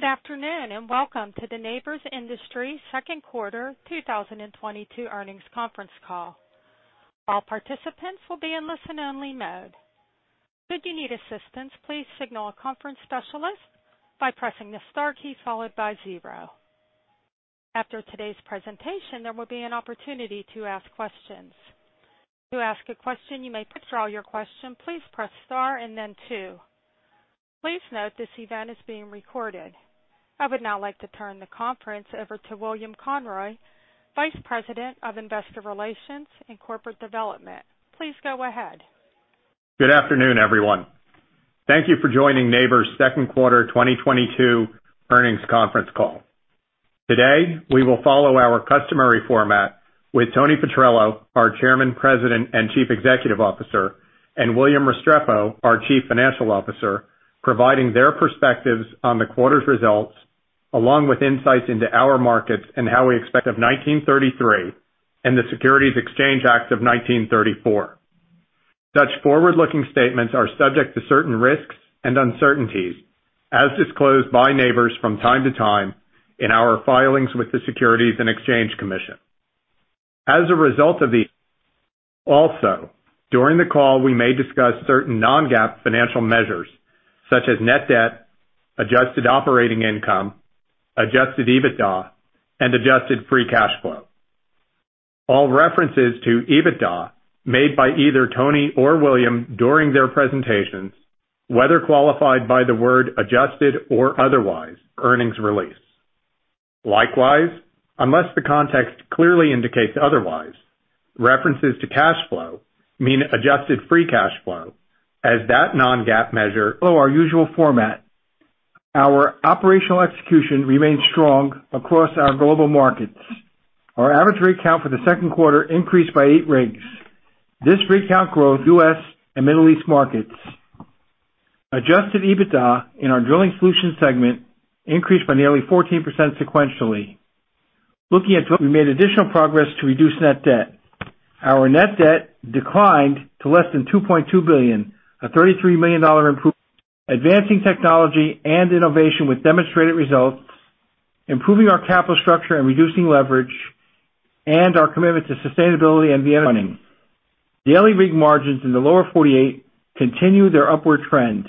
Good afternoon, and welcome to the Nabors Industries Q2 2022 Earnings Conference Call. All participants will be in listen-only mode. Should you need assistance, please signal a conference specialist by pressing the Star key followed by 0. After today's presentation, there will be an opportunity to ask questions. To ask a question, you may withdraw your question. Please press Star and then 2. Please note this event is being recorded. I would now like to turn the conference over to William Conroy, Vice President of Investor Relations and Corporate Development. Please go ahead Good afternoon, everyone. Thank you for joining Nabors Q2 2022 Earnings Conference Call. Today, we will follow our customary format with Tony Petrello, our Chairman, President, and Chief Executive Officer, and William Restrepo, our Chief Financial Officer, providing their perspectives on the quarter's results, along with insights into our markets and how we expect of the Securities Act of 1933 and the Securities Exchange Act of 1934. Such forward-looking statements are subject to certain risks and uncertainties as disclosed by Nabors from time to time in our filings with the Securities and Exchange Commission. Also, during the call, we may discuss certain non-GAAP financial measures such as net debt, adjusted operating income, adjusted EBITDA, and adjusted free cash flow. All references to EBITDA made by either Tony or William during their presentations, whether qualified by the word adjusted or otherwise, earnings release. Likewise, unless the context clearly indicates otherwise, references to cash flow mean adjusted free cash flow as that non-GAAP measure. Following our usual format. Our operational execution remains strong across our global markets. Our average rig count for the Q2 increased by 8 rigs. This rig count growth in U.S. and Middle East markets. Adjusted EBITDA in our Drilling Solutions segment increased by nearly 14% sequentially. We made additional progress to reduce net debt. Our net debt declined to less than $2.2 billion, a $33 million improvement. Daily rig margins in the Lower 48 continue their upward trend.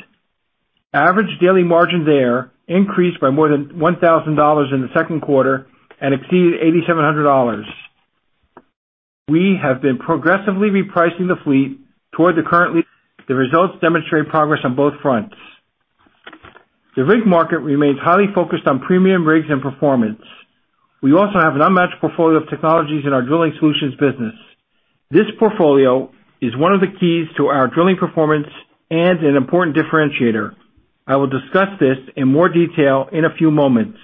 Average daily margins there increased by more than $1,000 in the Q2 and exceeded $8,700. The results demonstrate progress on both fronts. The rig market remains highly focused on premium rigs and performance. We also have an unmatched portfolio of technologies in our Drilling Solutions business. This portfolio is one of the keys to our drilling performance and an important differentiator. I will discuss this in more detail in a few moments.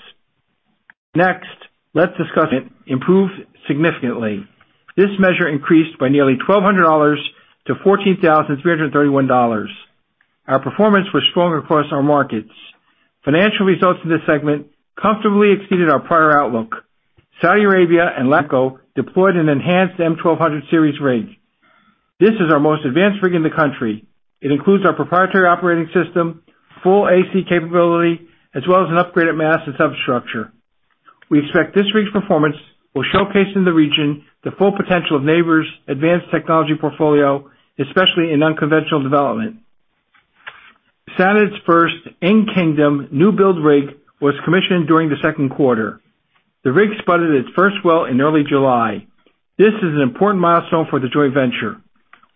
Next, let's discuss. It improved significantly. This measure increased by nearly $1,200 to $14,331. Our performance was strong across our markets. Financial results in this segment comfortably exceeded our prior outlook. Saudi Arabia and Laco deployed an enhanced M-1200 series rig. This is our most advanced rig in the country. It includes our proprietary operating system, full AC capability, as well as an upgraded mast and substructure. We expect this rig's performance will showcase in the region the full potential of Nabors' advanced technology portfolio, especially in unconventional development. Saudi's first in-kingdom new build rig was commissioned during the Q2. The rig spudded its first well in early July. This is an important milestone for the joint venture.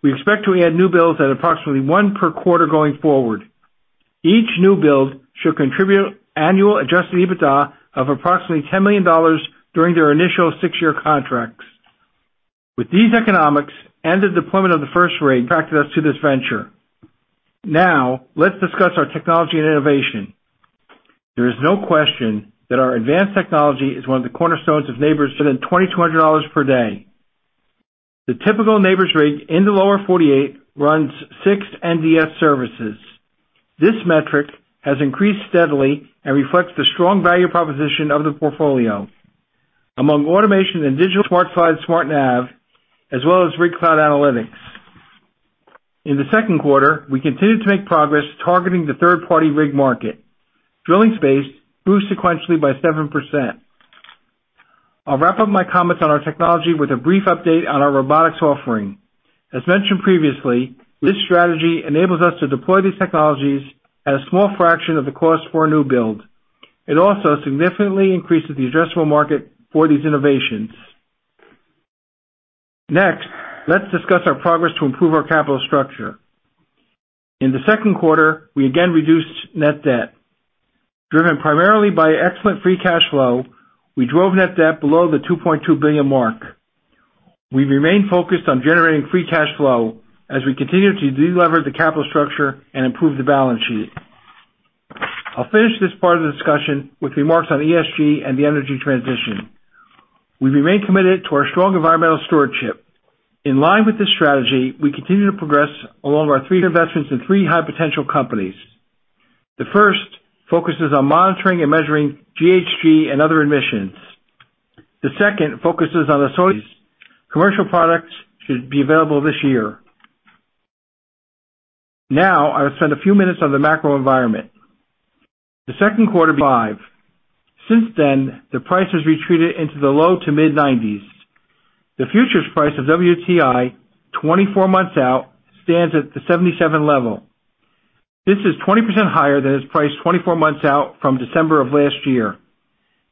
We expect to add new builds at approximately 1 per quarter going forward. Each new build should contribute annual adjusted EBITDA of approximately $10 million during their initial 6-year contracts. With these economics and the deployment of the first rig, positions us to this venture. Now let's discuss our technology and innovation. There is no question that our advanced technology is one of the cornerstones of Nabors' more than $2,200 per day. The typical Nabors rig in the Lower 48 runs 6 NDS services. This metric has increased steadily and reflects the strong value proposition of the portfolio. Among automation and digital SmartSLIDE, SmartNAV, as well as RigCLOUD analytics. In the Q2, we continued to make progress targeting the third-party rig market. Drilling pace grew sequentially by 7%. I'll wrap up my comments on our technology with a brief update on our robotics offering. As mentioned previously, this strategy enables us to deploy these technologies at a small fraction of the cost for a new build. It also significantly increases the addressable market for these innovations. Next, let's discuss our progress to improve our capital structure. In the Q2, we again reduced net debt. Driven primarily by excellent free cash flow, we drove net debt below the $2.2 billion mark. We remain focused on generating free cash flow as we continue to delever the capital structure and improve the balance sheet. I'll finish this part of the discussion with remarks on ESG and the energy transition. We remain committed to our strong environmental stewardship. In line with this strategy, we continue to progress along with our three investments in three high-potential companies. The first focuses on monitoring and measuring GHG and other emissions. The second focuses on commercial products should be available this year. Now I will spend a few minutes on the macro environment. The Q2 95. Since then, the price has retreated into the low to mid-90s. The futures price of WTI, 24 months out, stands at the 77 level. This is 20% higher than its price 24 months out from December of last year.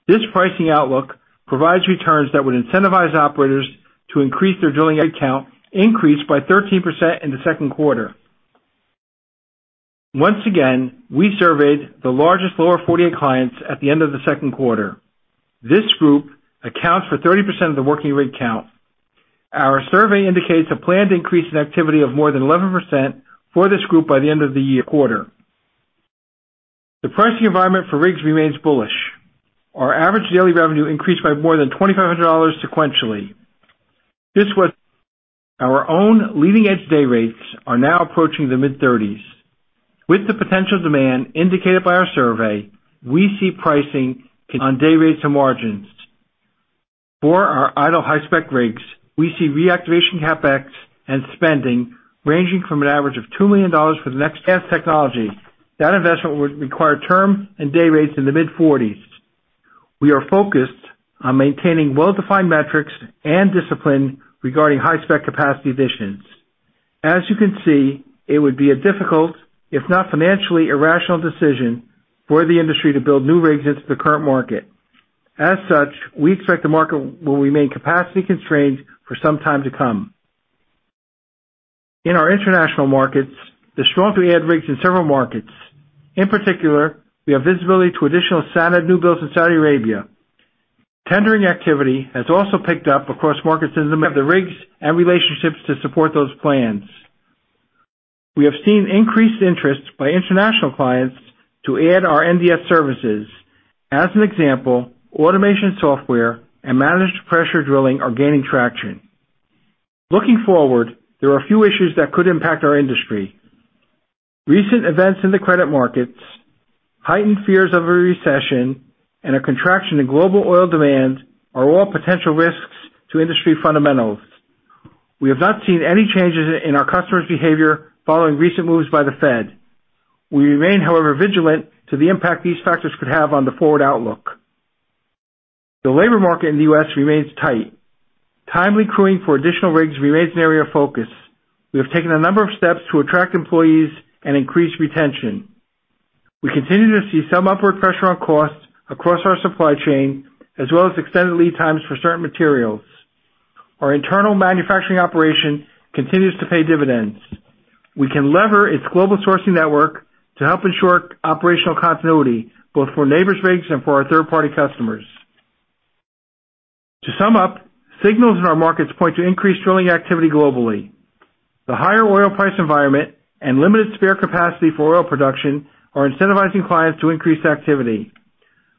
This pricing outlook provides returns that would incentivize operators to increase their drilling activity, increase by 13% in the Q2. Once again, we surveyed the largest Lower 48 clients at the end of the Q2. This group accounts for 30% of the working rig count. Our survey indicates a planned increase in activity of more than 11% for this group by the end of the Q4. The pricing environment for rigs remains bullish. Our average daily revenue increased by more than $2,500 sequentially. This was our own leading-edge day rates are now approaching the mid-30s. With the potential demand indicated by our survey, we see pricing on day rates and margins. For our idle high-spec rigs, we see reactivation CapEx and spending ranging from an average of $2 million for the next technology. That investment would require term and day rates in the mid-40s. We are focused on maintaining well-defined metrics and discipline regarding high-spec capacity additions. As you can see, it would be a difficult, if not financially irrational, decision for the industry to build new rigs into the current market. As such, we expect the market will remain capacity constrained for some time to come. In our international markets, there's strong demand to add rigs in several markets. In particular, we have visibility to additional standard new builds in Saudi Arabia. Tendering activity has also picked up across markets. We have the rigs and relationships to support those plans. We have seen increased interest by international clients to add our NDS services. As an example, automation, software, and managed pressure drilling are gaining traction. Looking forward, there are a few issues that could impact our industry. Recent events in the credit markets, heightened fears of a recession, and a contraction in global oil demand are all potential risks to industry fundamentals. We have not seen any changes in our customers' behavior following recent moves by the Fed. We remain, however, vigilant to the impact these factors could have on the forward outlook. The labor market in the U.S. remains tight. Timely crewing for additional rigs remains an area of focus. We have taken a number of steps to attract employees and increase retention. We continue to see some upward pressure on costs across our supply chain, as well as extended lead times for certain materials. Our internal manufacturing operation continues to pay dividends. We can lever its global sourcing network to help ensure operational continuity, both for Nabors' rigs and for our third-party customers. To sum up, signals in our markets point to increased drilling activity globally. The higher oil price environment and limited spare capacity for oil production are incentivizing clients to increase activity.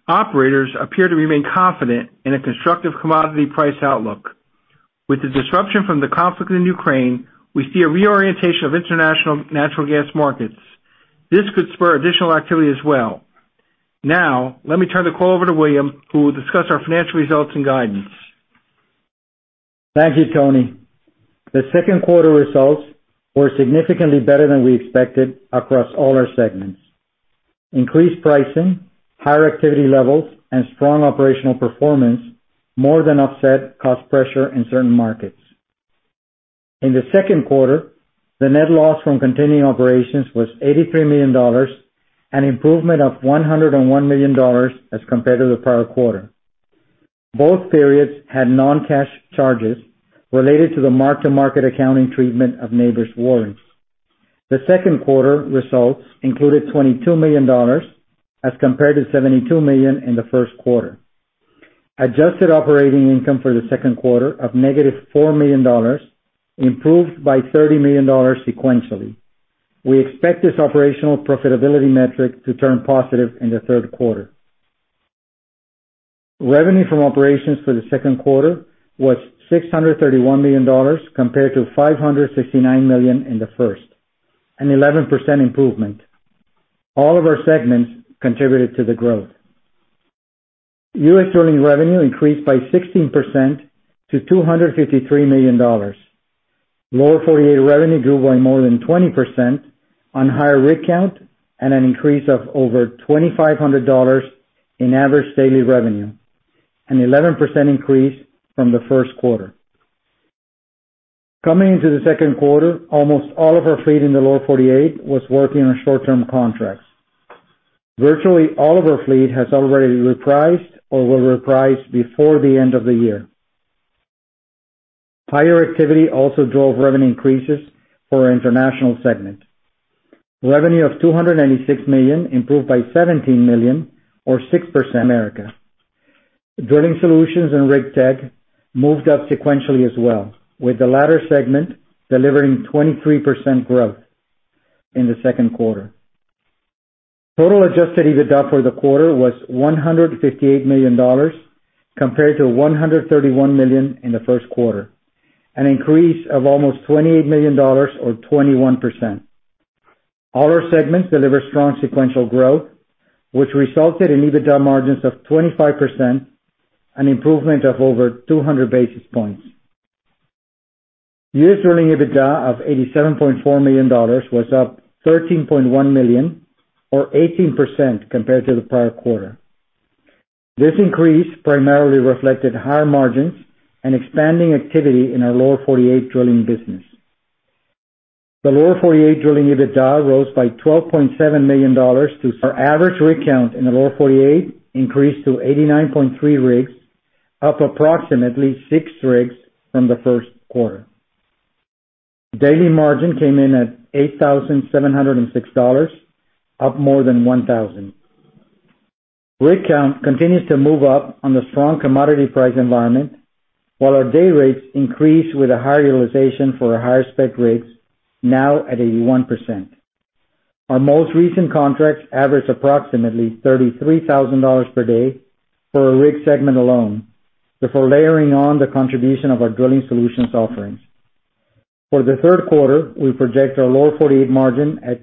Operators appear to remain confident in a constructive commodity price outlook. With the disruption from the conflict in Ukraine, we see a reorientation of international natural gas markets. This could spur additional activity as well. Now, let me turn the call over to William, who will discuss our financial results and guidance. Thank you, Tony. The Q2 results were significantly better than we expected across all our segments. Increased pricing, higher activity levels, and strong operational performance more than offset cost pressure in certain markets. In the Q2, the net loss from continuing operations was $83 million, an improvement of $101 million as compared to the prior quarter. Both periods had non-cash charges related to the mark-to-market accounting treatment of Nabors' warrants. The Q2 results included $22 million as compared to $72 million in the Q1. Adjusted operating income for the Q2 of -$4 million improved by $30 million sequentially. We expect this operational profitability metric to turn positive in the Q3. Revenue from operations for the Q2 was $631 million, compared to $569 million in the first, an 11% improvement. All of our segments contributed to the growth. U.S. drilling revenue increased by 16% to $253 million. Lower 48 revenue grew by more than 20% on higher rig count and an increase of over $2,500 in average daily revenue, an 11% increase from the Q1. Coming into the Q2, almost all of our fleet in the Lower 48 was working on short-term contracts. Virtually all of our fleet has already repriced or will reprice before the end of the year. Higher activity also drove revenue increases for our international segment. Revenue of $286 million improved by $17 million or 6%. Drilling Solutions and Rig Technologies moved up sequentially as well, with the latter segment delivering 23% growth in the Q2. Total adjusted EBITDA for the quarter was $158 million compared to $131 million in the Q1, an increase of almost $28 million or 21%. All our segments delivered strong sequential growth, which resulted in EBITDA margins of 25%. An improvement of over 200 basis points. The year's earning EBITDA of $87.4 million was up $13.1 million or 18% compared to the prior quarter. This increase primarily reflected higher margins and expanding activity in our Lower 48 drilling business. The Lower 48 drilling EBITDA rose by $12.7 million to our average rig count in the Lower 48 increased to 89.3 rigs, up approximately 6 rigs from the Q1. Daily margin came in at $8,706, up more than $1,000. Rig count continues to move up on the strong commodity price environment, while our day rates increase with a higher utilization for higher spec rigs now at 81%. Our most recent contracts average approximately $33,000 per day for a rig segment alone, before layering on the contribution of our Drilling Solutions offerings. For the Q3, we project our Lower 48 margin at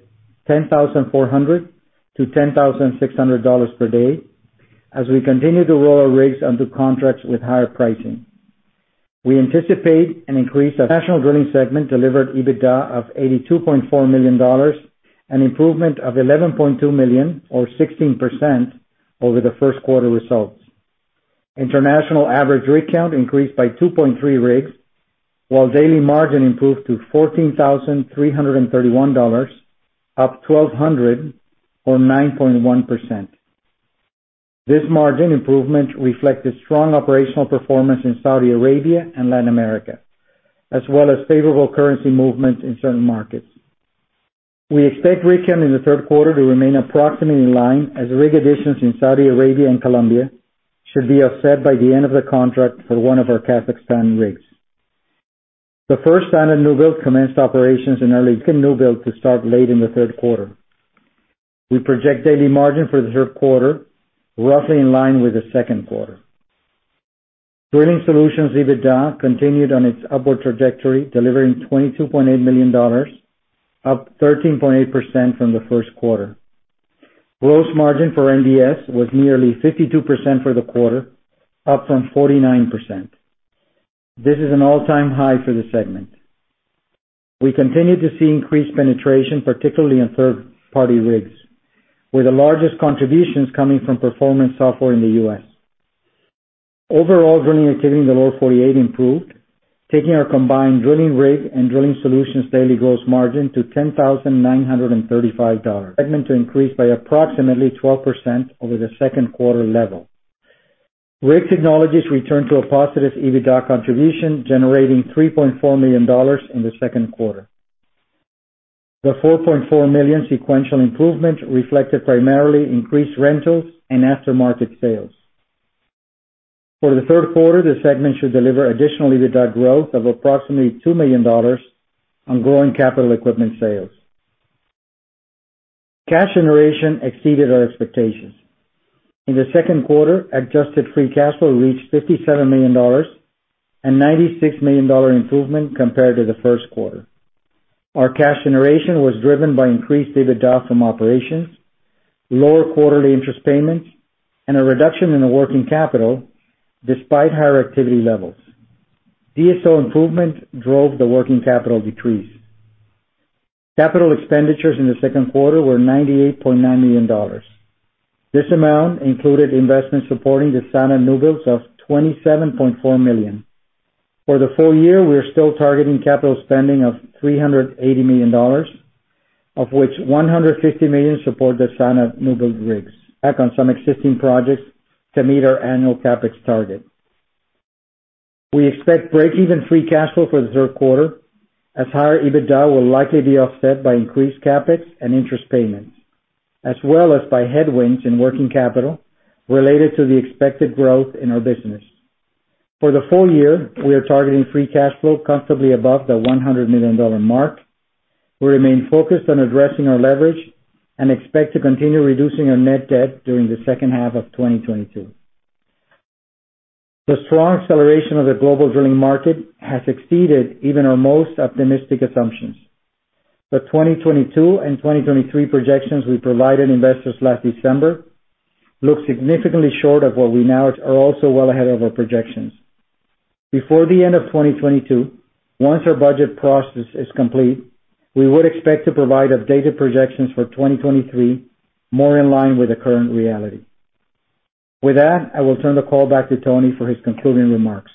$10,400-$10,600 per day as we continue to roll our rigs onto contracts with higher pricing. We anticipate an increase of national drilling segment delivered EBITDA of $82.4 million, an improvement of $11.2 million or 16% over the Q1 results. International average rig count increased by 2.3 rigs, while daily margin improved to $14,331, up $1,200 or 9.1%. This margin improvement reflected strong operational performance in Saudi Arabia and Latin America, as well as favorable currency movements in certain markets. We expect rig count in the Q3 to remain approximately in line as rig additions in Saudi Arabia and Colombia should be offset by the end of the contract for one of our Kazakhstan rigs. The first new build commenced operations in early Q2. New build to start late in the Q3. We project daily margin for the Q3 roughly in line with the Q2. Drilling Solutions EBITDA continued on its upward trajectory, delivering $22.8 million, up 13.8% from the Q1. Gross margin for NDS was nearly 52% for the quarter, up from 49%. This is an all-time high for the segment. We continue to see increased penetration, particularly in third-party rigs, with the largest contributions coming from performance software in the U.S. Overall drilling activity in the Lower 48 improved, taking our combined drilling rig and drilling solutions daily gross margin to $10,935. Segment to increase by approximately 12% over the Q2 level. Rig Technologies returned to a positive EBITDA contribution, generating $3.4 million in the Q2. The $4.4 million sequential improvement reflected primarily increased rentals and aftermarket sales. For the Q3, the segment should deliver additional EBITDA growth of approximately $2 million on growing capital equipment sales. Cash generation exceeded our expectations. In the Q2, adjusted free cash flow reached $57 million, a $96 million improvement compared to the Q1. Our cash generation was driven by increased EBITDA from operations, lower quarterly interest payments, and a reduction in the working capital despite higher activity levels. DSO improvement drove the working capital decrease. Capital expenditures in the Q2 were $98.9 million. This amount included investments supporting the SANAD new builds of $27.4 million. For the full year, we are still targeting capital spending of $380 million, of which $150 million support the SANAD new build rigs. Backing some existing projects to meet our annual CapEx target. We expect breakeven free cash flow for the Q3 as higher EBITDA will likely be offset by increased CapEx and interest payments, as well as by headwinds in working capital related to the expected growth in our business. For the full year, we are targeting free cash flow comfortably above the $100 million mark. We remain focused on addressing our leverage and expect to continue reducing our net debt during the second half of 2022. The strong acceleration of the global drilling market has exceeded even our most optimistic assumptions. The 2022 and 2023 projections we provided Investors last December look significantly short of what we now expect. We are also well ahead of our projections. Before the end of 2022, once our budget process is complete, we would expect to provide updated projections for 2023 more in line with the current reality. With that, I will turn the call back to Tony for his concluding remarks.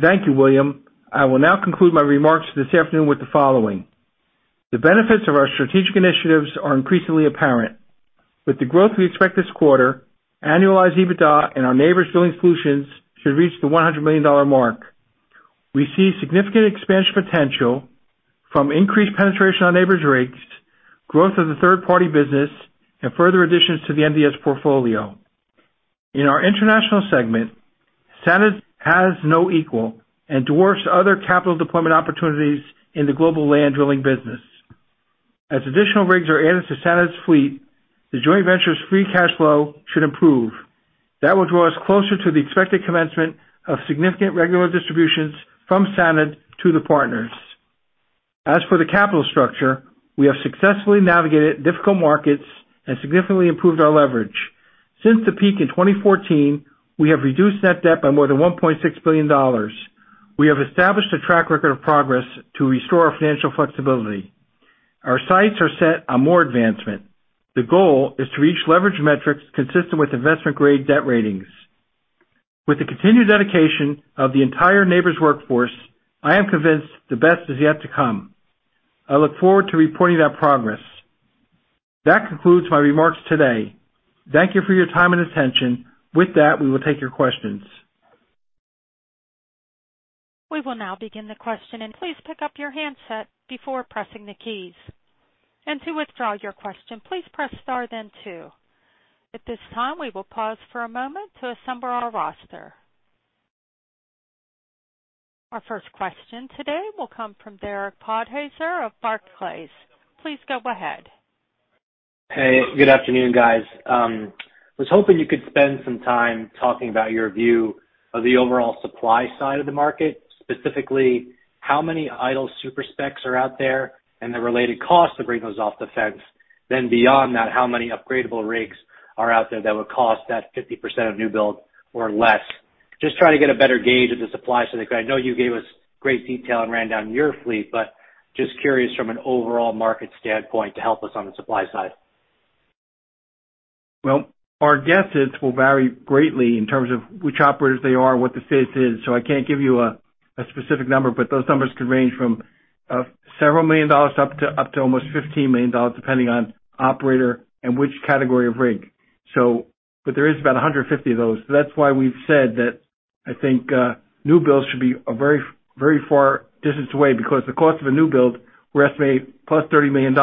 Thank you, William. I will now conclude my remarks this afternoon with the following. The benefits of our strategic initiatives are increasingly apparent. With the growth we expect this quarter, annualized EBITDA in our Nabors Drilling Solutions should reach the $100 million mark. We see significant expansion potential from increased penetration on Nabors' rigs, growth of the third-party business, and further additions to the NDS portfolio. In our international segment, SANAD has no equal and dwarfs other capital deployment opportunities in the global land drilling business. As additional rigs are added to SANAD's fleet, the joint venture's free cash flow should improve. That will draw us closer to the expected commencement of significant regular distributions from SANAD to the partners. As for the capital structure, we have successfully navigated difficult markets and significantly improved our leverage. Since the peak in 2014, we have reduced net debt by more than $1.6 billion. We have established a track record of progress to restore our financial flexibility. Our sights are set on more advancement. The goal is to reach leverage metrics consistent with investment grade debt ratings. With the continued dedication of the entire Nabors workforce, I am convinced the best is yet to come. I look forward to reporting that progress. That concludes my remarks today. Thank you for your time and attention. With that, we will take your questions. We will now begin the question, and please pick up your handset before pressing the keys. To withdraw your question, please press Star then 2. At this time, we will pause for a moment to assemble our roster. Our first question today will come from Derek Podhaizer of Barclays. Please go ahead. Hey, good afternoon, guys. Was hoping you could spend some time talking about your view of the overall supply side of the market, specifically how many idle super-spec are out there and the related cost to bring those off the fence. Beyond that, how many upgradable rigs are out there that would cost that 50% of new build or less? Just trying to get a better gauge of the supply so that I know you gave us great detail and ran down your fleet, but just curious from an overall market standpoint to help us on the supply side. Well, our guesses will vary greatly in terms of which operators they are, what the state is. I can't give you a specific number, but those numbers could range from several million dollars up to almost $15 million, depending on operator and which category of rig. There is about 150 of those. That's why we've said that I think new builds should be a very, very far distance away because the cost of a new build, we estimate $30 million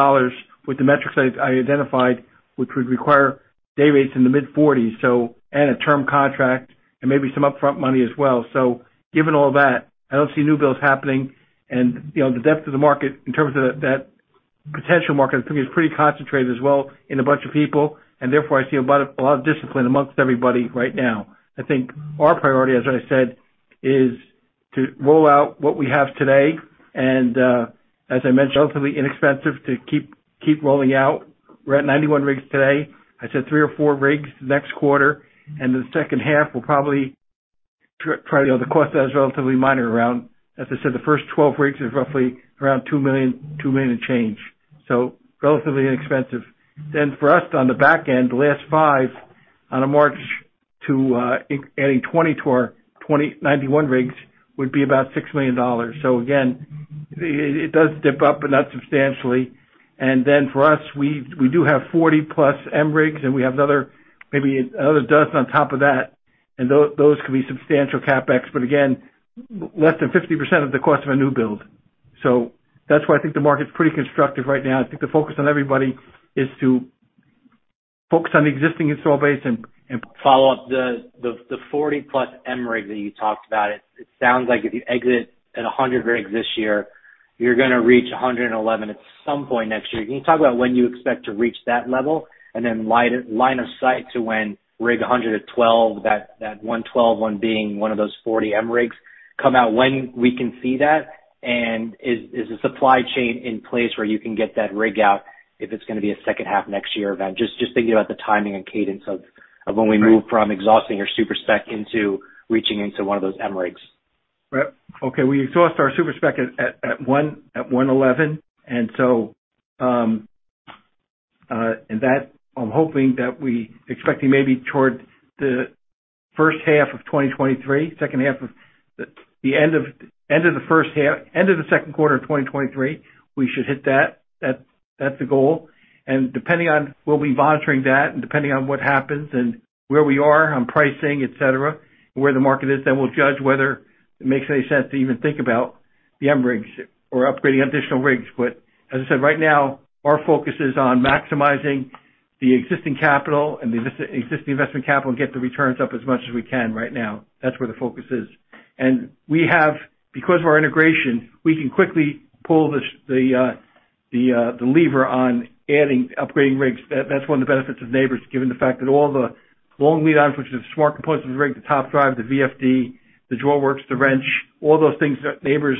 with the metrics I identified, which would require day rates in the mid-$40s, and a term contract and maybe some upfront money as well. Given all that, I don't see new builds happening. You know, the depth of the market in terms of that potential market is pretty concentrated as well in a bunch of people, and therefore I see a lot of discipline amongst everybody right now. I think our priority, as I said, is to roll out what we have today, and as I mentioned, relatively inexpensive to keep rolling out. We're at 91 rigs today. I said 3 or 4 rigs next quarter, and the second half we'll probably try the cost that is relatively minor around. As I said, the first 12 rigs is roughly around $2 million and change, so relatively inexpensive. Then for us on the back end, the last five on a march to adding 20 to our 91 rigs would be about $6 million. Again, it does dip up, but not substantially. Then for us, we do have 40+ PACE-M rigs, and we have another, maybe another dozen on top of that. Those could be substantial CapEx, but again, less than 50% of the cost of a new build. That's why I think the market's pretty constructive right now. I think the focus on everybody is to focus on existing installed base. Follow up the 40+ PACE-M rig that you talked about it sounds like if you exit at 100 rigs this year, you're gonna reach 111 at some point next year. Can you talk about when you expect to reach that level and then line of sight to when rig 112, that 112 one being one of those 40 PACE-M rigs come out, when we can see that? Is the supply chain in place where you can get that rig out if it's gonna be a second half next year event? Just thinking about the timing and cadence of when we move from exhausting your super-spec into reaching into one of those PACE-M rigs. Right. Okay, we exhaust our super-spec at 111. I'm hoping that we're expecting maybe toward the first half of 2023, end of the first half, end of the Q2 of 2023, we should hit that. That's the goal. We'll be monitoring that and depending on what happens and where we are on pricing, etc., where the market is, then we'll judge whether it makes any sense to even think about the M rigs or upgrading additional rigs. Right now our focus is on maximizing the existing capital and the existing investment capital and get the returns up as much as we can right now. That's where the focus is. We have, because of our integration, we can quickly pull the lever on adding, upgrading rigs. That's one of the benefits of Nabors, given the fact that all the long lead items, which is smart components of the rig, the top drive, the VFD, the drawworks, the wrench, all those things that Nabors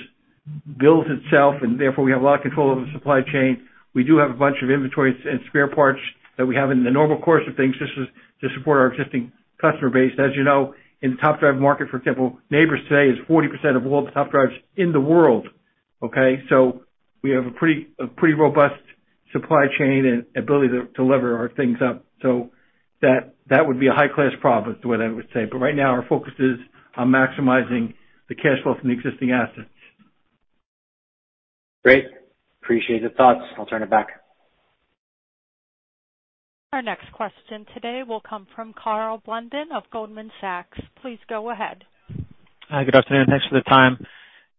builds itself, and therefore we have a lot of control over the supply chain. We do have a bunch of inventory and spare parts that we have in the normal course of things just to support our existing customer base. As you know, in top drive market, for example, Nabors today is 40% of all the top drives in the world, okay. We have a pretty robust supply chain and ability to lever our things up. That would be a high-class problem is the way that I would say. Right now, our focus is on maximizing the cash flow from the existing assets. Great. Appreciate the thoughts. I'll turn it back. Our next question today will come from Karl Blunden of Goldman Sachs. Please go ahead. Hi. Good afternoon. Thanks for the time.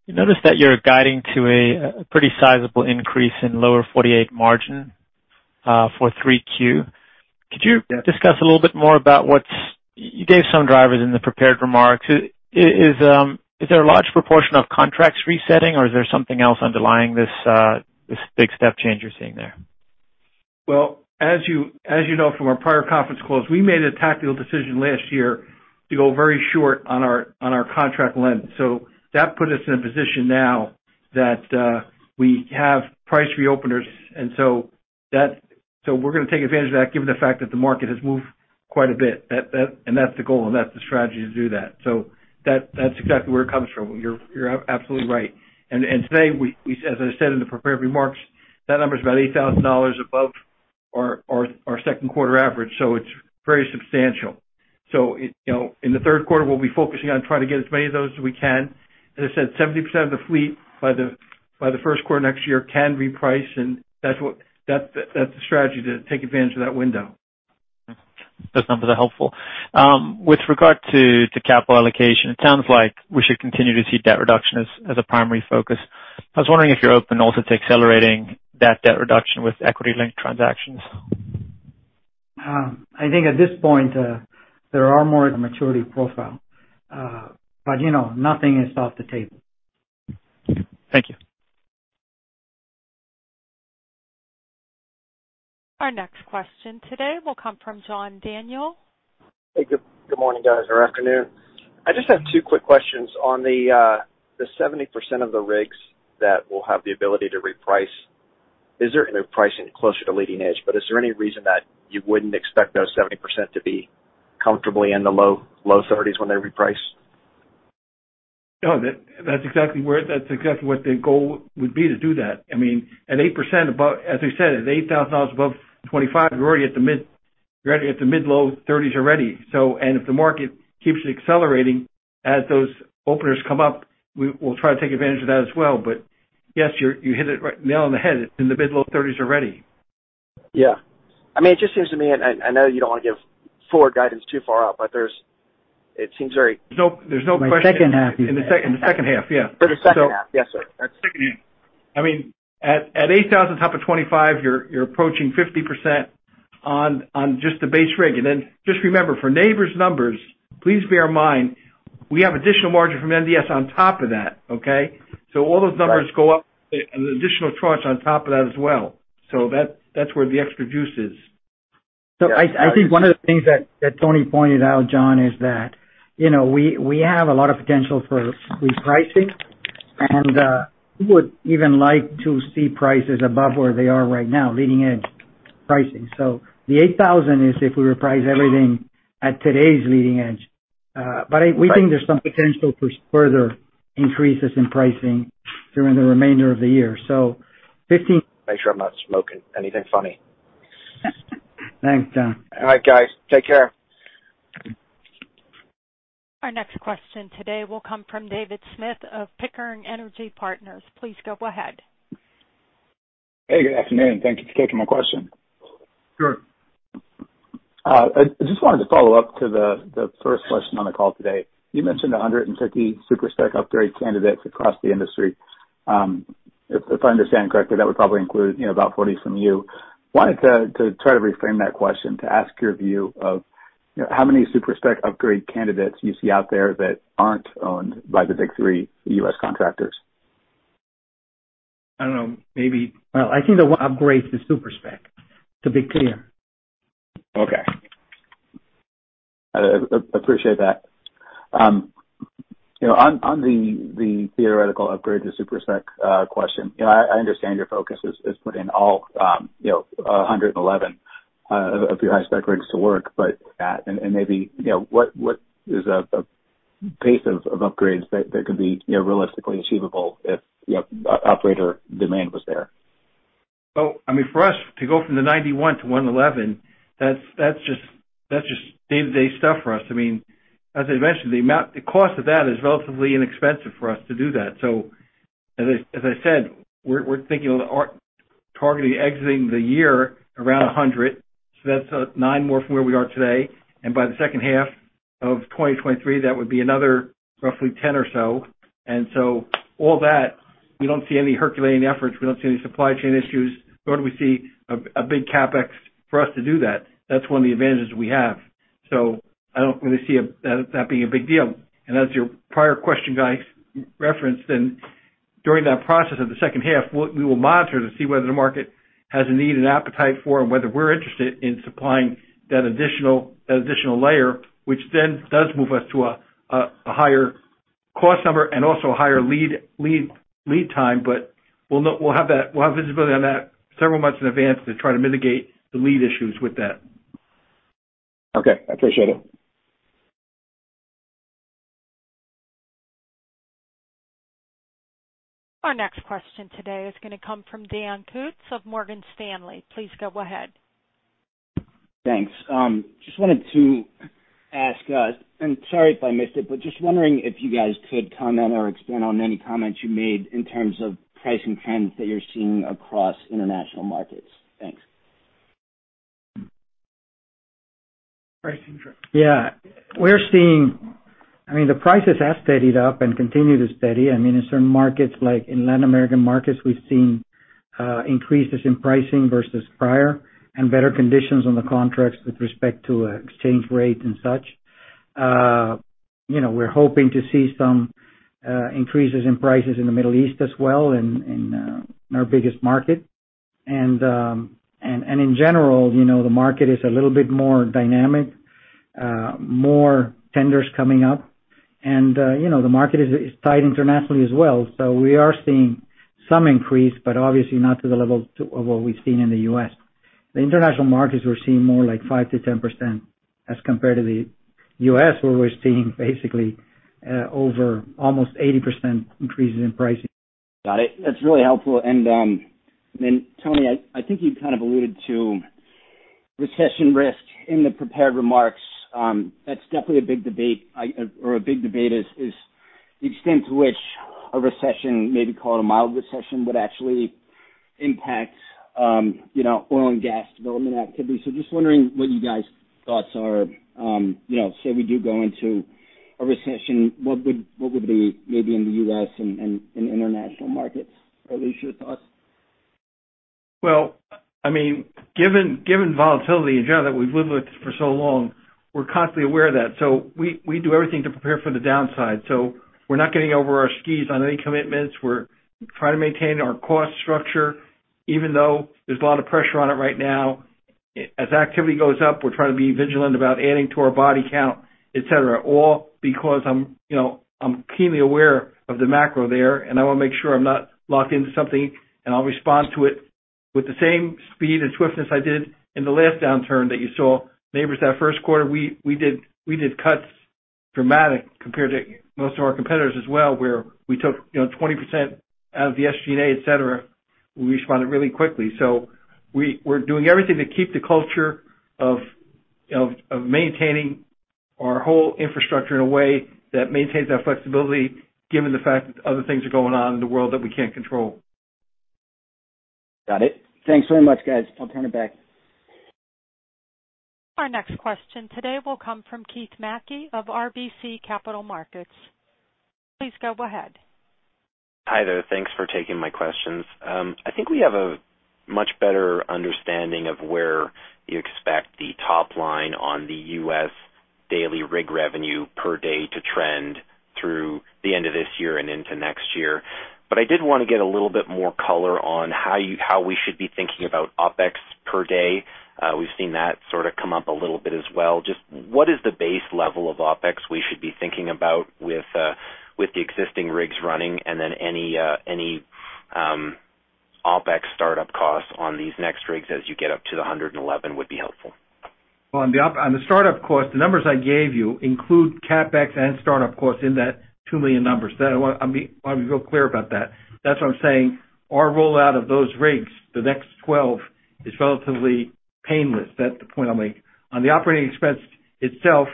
I noticed that you're guiding to a pretty sizable increase in Lower 48 margin for Q3. Could you discuss a little bit more. You gave some drivers in the prepared remarks. Is there a large proportion of contracts resetting, or is there something else underlying this big step change you're seeing there? Well, as you know from our prior conference calls, we made a tactical decision last year to go very short on our contract lengths. That put us in a position now that we have price reopeners, and so that's. We're gonna take advantage of that given the fact that the market has moved quite a bit. That and that's the goal, and that's the strategy to do that. That, that's exactly where it comes from. You're absolutely right. Today, as I said in the prepared remarks, that number is about $8,000 above our Q2 average, so it's very substantial. It, you know, in the Q3, we'll be focusing on trying to get as many of those as we can. As I said, 70% of the fleet by the Q1 next year can reprice, and that's the strategy to take advantage of that window. That's incredibly helpful. With regard to capital allocation, it sounds like we should continue to see debt reduction as a primary focus. I was wondering if you're open also to accelerating that debt reduction with equity link transactions? I think at this point, there are more maturity profile, but you know, nothing is off the table. Thank you. Our next question today will come from John Daniel. Hey, good morning, guys, or afternoon. I just have 2 quick questions. On the 70% of the rigs that will have the ability to reprice, is there any pricing closer to leading edge, but is there any reason that you wouldn't expect those 70% to be comfortably in the low 30s when they reprice? No. That's exactly what the goal would be to do that. I mean, as I said, at $8,000 above $25,000, we're already at the mid-low $30s already. If the market keeps accelerating as those openers come up, we'll try to take advantage of that as well. Yes, you hit the nail on the head, in the mid-low $30s already. Yeah. I mean, it just seems to me, I know you don't wanna give forward guidance too far out, but it seems very. There's no question. My second half you said. In the second half. Yeah. For the second half. Yes, sir. Second half. I mean, at 8,000 top of 25, you're approaching 50% on just the base rig. Just remember for Nabors numbers, please bear in mind, we have additional margin from NDS on top of that, okay? Right. All those numbers go up an additional tranche on top of that as well. That, that's where the extra juice is. I think one of the things that Tony pointed out, John, is that, you know, we have a lot of potential for repricing, and we would even like to see prices above where they are right now, leading edge pricing. The $8,000 is if we reprice everything at today's leading edge. But I Right. We think there's some potential for further increases in pricing during the remainder of the year. Make sure I'm not smoking anything funny. Thanks, John. All right, guys. Take care. Our next question today will come from David Smith of Pickering Energy Partners. Please go ahead. Hey, good afternoon. Thank you for taking my question. Sure. I just wanted to follow up to the first question on the call today. You mentioned 150 super-spec upgrade candidates across the industry. If I understand correctly, that would probably include, you know, about 40 from you. Wanted to try to reframe that question to ask your view of, you know, how many super-spec upgrade candidates you see out there that aren't owned by the big three U.S. contractors. I don't know, maybe. Well, I think the one upgrade to super-spec, to be clear. Okay. I appreciate that. You know, on the theoretical upgrade to super-spec question, you know, I understand your focus is put in all, you know, 111 of your high-spec rigs to work, but maybe, you know, what is a pace of upgrades that could be, you know, realistically achievable if, you know, operator demand was there? Well, I mean, for us to go from the 91 to 111, that's just day-to-day stuff for us. I mean, as I mentioned, the cost of that is relatively inexpensive for us to do that. As I said, we're thinking of targeting exiting the year around 100, so that's nine more from where we are today. By the second half of 2023, that would be another roughly 10 or so. All that, we don't see any herculean efforts, we don't see any supply chain issues, nor do we see a big CapEx for us to do that. That's one of the advantages we have. I don't really see that being a big deal. As your prior question, guys, referenced, then during that process of the second half, we will monitor to see whether the market has a need and appetite for, and whether we're interested in supplying that additional layer, which then does move us to a higher cost number and also a higher lead time, but we'll know. We'll have visibility on that several months in advance to try to mitigate the lead issues with that. Okay, I appreciate it. Our next question today is gonna come from Dan Kutz of Morgan Stanley. Please go ahead. Thanks. Just wanted to ask, and sorry if I missed it, but just wondering if you guys could comment or expand on any comments you made in terms of pricing trends that you're seeing across international markets. Thanks. Pricing trends. Yeah. We're seeing. I mean, the prices have steadied up and continue to steady. I mean, in certain markets, like in Latin American markets, we've seen increases in pricing versus prior and better conditions on the contracts with respect to exchange rates and such. You know, we're hoping to see some increases in prices in the Middle East as well in our biggest market. In general, you know, the market is a little bit more dynamic, more tenders coming up. You know, the market is tight internationally as well. We are seeing some increase, but obviously not to the level of what we've seen in the U.S. The international markets, we're seeing more like 5%-10% as compared to the U.S., where we're seeing basically over almost 80% increases in pricing. Got it. That's really helpful. Tony, I think you kind of alluded to recession risk in the prepared remarks. That's definitely a big debate is the extent to which a recession may be called a mild recession would actually impact you know, oil and gas development activity. Just wondering what you guys' thoughts are. You know, say we do go into a recession, what would be maybe in the U.S. and international markets? At least your thoughts? Well, I mean, given volatility in general that we've lived with for so long, we're constantly aware of that. We do everything to prepare for the downside. We're not getting over our skis on any commitments. We're trying to maintain our cost structure, even though there's a lot of pressure on it right now. As activity goes up, we're trying to be vigilant about adding to our body count, et cetera, all because I'm, you know, I'm keenly aware of the macro there, and I wanna make sure I'm not locked into something, and I'll respond to it with the same speed and swiftness I did in the last downturn that you saw. Nabors, that Q1, we did dramatic cuts compared to most of our competitors as well, where we took, you know, 20% out of the SG&A, et cetera. We responded really quickly. We're doing everything to keep the culture of maintaining our whole infrastructure in a way that maintains our flexibility, given the fact that other things are going on in the world that we can't control. Got it. Thanks very much, guys. I'll turn it back. Our next question today will come from Keith Mackey of RBC Capital Markets. Please go ahead. Hi, there. Thanks for taking my questions. I think we have a much better understanding of where you expect the top line on the U.S. daily rig revenue per day to trend through the end of this year and into next year. I did wanna get a little bit more color on how we should be thinking about OpEx per day. We've seen that sorta come up a little bit as well. Just what is the base level of OpEx we should be thinking about with the existing rigs running and then any OpEx startup costs on these next rigs as you get up to the 111 would be helpful. Well, on the startup cost, the numbers I gave you include CapEx and startup costs in that $2 million. I mean, I want to be real clear about that. That's what I'm saying, our rollout of those rigs, the next 12, is relatively painless. That's the point I'm making. On the operating expense itself,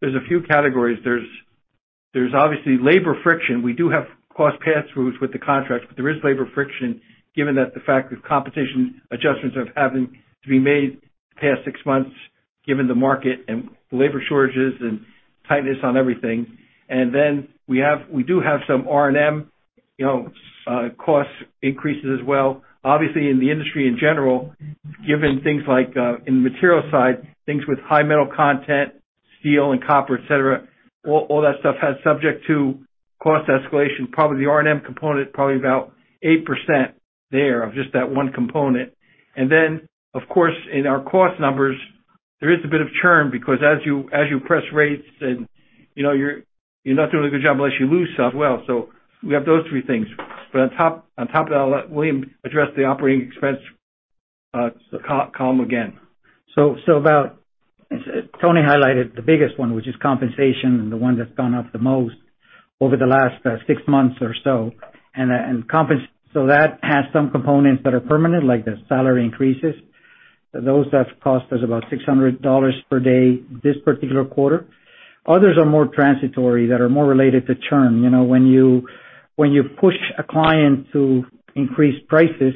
there's a few categories. There's obviously labor friction. We do have cost pass-throughs with the contracts, but there is labor friction given the fact that competitive adjustments are having to be made the past six months, given the market and labor shortages and tightness on everything. We do have some R&M, you know, cost increases as well. Obviously, in the industry in general, given things like, in the material side, things with high metal content, steel and copper, et cetera, all that stuff is subject to cost escalation, probably the R&M component, probably about 8% thereof just that one component. Of course, in our cost numbers, there is a bit of churn because as you push rates and, you know, you're not doing a good job unless you lose stuff as well. We have those three things. On top of that, I'll let William address the operating expense, SG&A again. About Tony highlighted the biggest one, which is compensation and the one that's gone up the most over the last six months or so. That has some components that are permanent, like the salary increases. Those that cost us about $600 per day this particular quarter. Others are more transitory, that are more related to churn. You know, when you push a client to increase prices,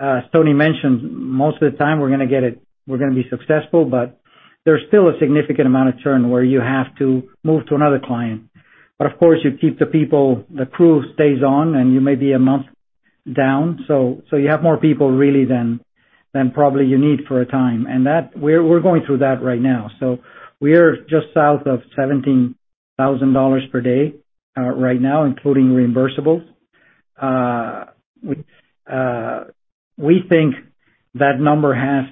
as Tony mentioned, most of the time we're gonna get it, we're gonna be successful, but there's still a significant amount of churn where you have to move to another client. Of course, you keep the people, the crew stays on, and you may be a month down. You have more people really than probably you need for a time. We're going through that right now. We're just south of $17,000 per day right now, including reimbursables. We think that number has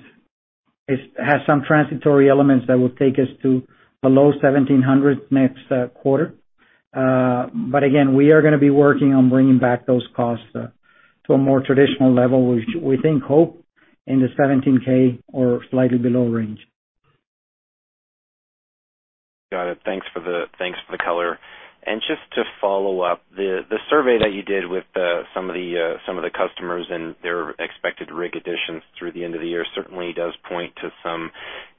some transitory elements that will take us to below $1,700 next quarter. We're gonna be working on bringing back those costs to a more traditional level, which we hope is in the $17K or slightly below range. Got it. Thanks for the color. Just to follow up, the survey that you did with some of the customers and their expected rig additions through the end of the year certainly does point to some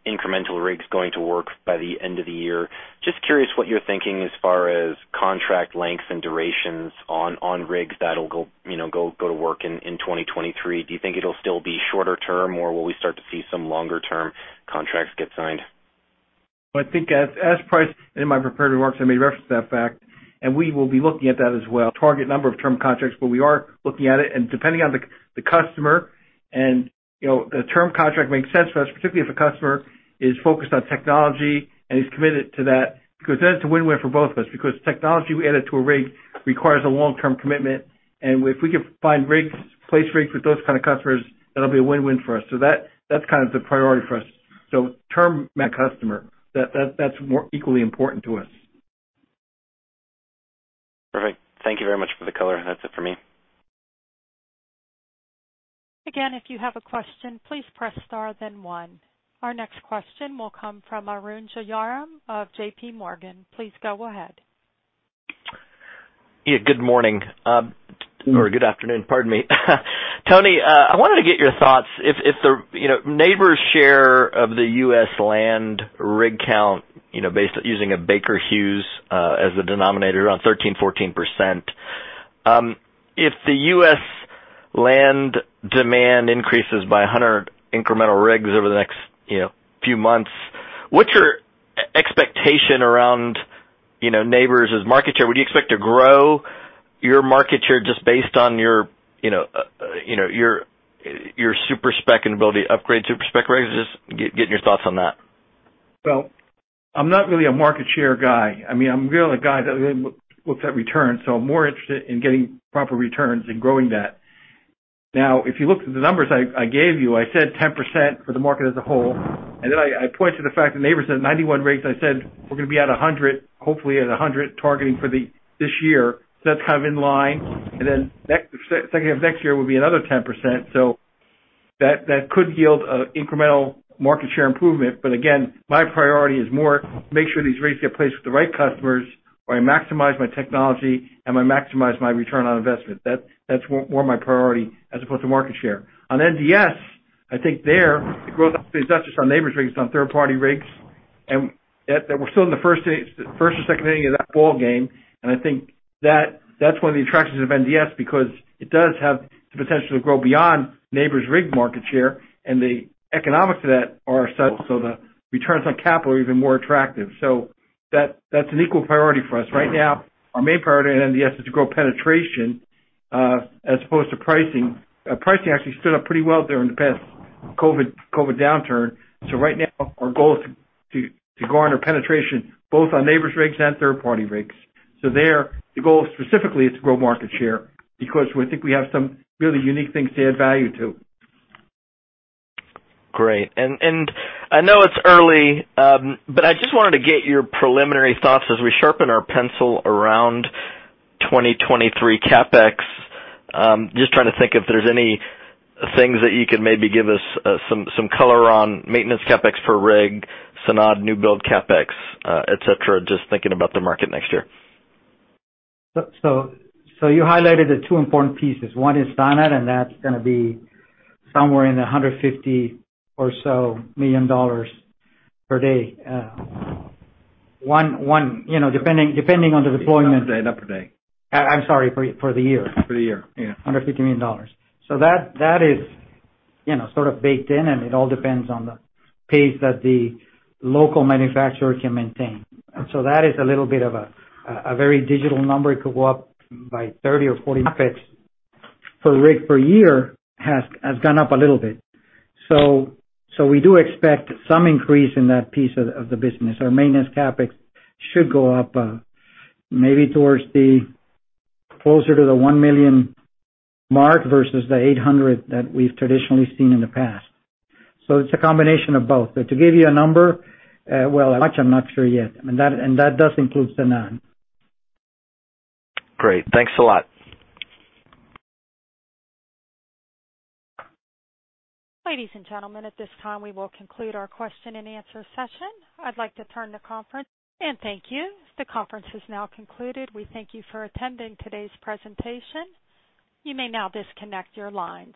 incremental rigs going to work by the end of the year. Just curious what you're thinking as far as contract lengths and durations on rigs that'll go, you know, go to work in 2023. Do you think it'll still be shorter term, or will we start to see some longer term contracts get signed? I think as priced in my prepared remarks, I may reference that fact, and we will be looking at that as well. Target number of term contracts, but we are looking at it and depending on the customer and, you know, the term contract makes sense for us, particularly if a customer is focused on technology and is committed to that, because then it's a win-win for both of us because technology we added to a rig requires a long-term commitment. If we can find rigs, place rigs with those kind of customers, that'll be a win-win for us. That, that's kind of the priority for us. Term customer, that's more equally important to us. Perfect. Thank you very much for the color. That's it for me. Again, if you have a question, please press Star then 1. Our next question will come from Arun Jayaram of JPMorgan. Please go ahead. Yeah. Good morning. Good- Good afternoon. Pardon me. Tony, I wanted to get your thoughts if the you know Nabors' share of the U.S. land rig count you know based using a Baker Hughes as the denominator around 13%, 14%. If the U.S. land demand increases by 100 incremental rigs over the next you know few months, what's your expectation around you know Nabors' market share? Would you expect to grow your market share just based on your you know your super-spec and ability to upgrade super-spec rigs? Get your thoughts on that. Well, I'm not really a market share guy. I mean, I'm really a guy that looks at returns, so I'm more interested in getting proper returns and growing that. Now, if you look at the numbers I gave you, I said 10% for the market as a whole. I point to the fact that Nabors has 91 rigs. I said, we're gonna be at 100, hopefully at 100 targeting for this year. That's kind of in line. Second half of next year will be another 10%. That could yield a incremental market share improvement. Again, my priority is more make sure these rigs get placed with the right customers, where I maximize my technology, and I maximize my return on investment. That's more my priority as opposed to market share. On NDS, I think the growth is not just on Nabors rigs, it's on third-party rigs. We're still in the first or second inning of that ball game. I think that's one of the attractions of NDS because it does have the potential to grow beyond Nabors' rig market share and the economics of that are such so the returns on capital are even more attractive. That's an equal priority for us. Right now, our main priority on NDS is to grow penetration as opposed to pricing. Pricing actually stood up pretty well during the past COVID downturn. Right now our goal is to grow penetration both on Nabors rigs and third-party rigs. The goal specifically is to grow market share because we think we have some really unique things to add value to. Great. I know it's early, but I just wanted to get your preliminary thoughts as we sharpen our pencil around 2023 CapEx. Just trying to think if there's any things that you could maybe give us some color on maintenance CapEx per rig, SANAD new build CapEx, etc., just thinking about the market next year. You highlighted the two important pieces. One is SANAD, and that's gonna be somewhere in the $150 million or so per day. One, you know, depending on the deployment- Per day, not per day. I'm sorry for the year. For the year, yeah. $150 million. That is, you know, sort of baked in, and it all depends on the pace that the local manufacturer can maintain. That is a little bit of a very difficult number. It could go up by 30 or 40. CapEx for rig per year has gone up a little bit. We do expect some increase in that piece of the business. Our maintenance CapEx should go up, maybe towards closer to the $1 million mark versus the 800 that we've traditionally seen in the past. It's a combination of both. To give you a number, well, how much I'm not sure yet. That does include SANAD. Great. Thanks a lot. Ladies and gentlemen, at this time, we will conclude our question-and-answer session. Thank you. The conference has now concluded. We thank you for attending today's presentation. You may now disconnect your lines.